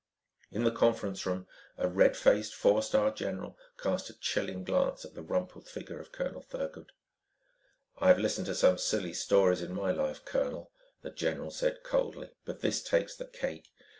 In the conference room, a red faced, four star general cast a chilling glance at the rumpled figure of Colonel Thurgood. "I've listened to some silly stories in my life, colonel," the general said coldly, "but this takes the cake.